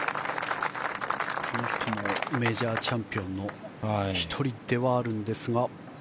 この人もメジャーチャンピオンの１人ではありますが。